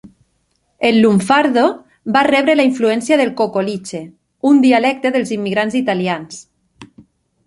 El lunfardo va rebre la influència del cocoliche, un dialecte dels immigrants italians.